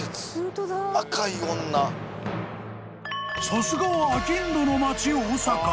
［さすがはあきんどの街大阪］